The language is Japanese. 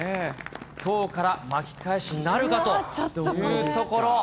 きょうから巻き返しなるかというところ。